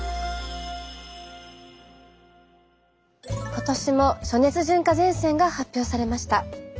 今年も「暑熱順化前線」が発表されました。